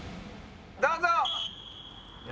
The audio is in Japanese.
どうぞ。